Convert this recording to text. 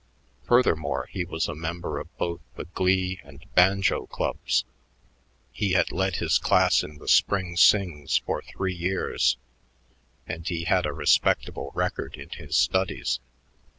Furthermore, he was a member of both the Glee and Banjo Clubs, he had led his class in the spring sings for three years, and he had a respectable record in his studies.